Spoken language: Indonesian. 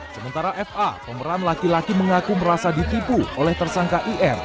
sementara fa pemeran laki laki mengaku merasa ditipu oleh tersangka ir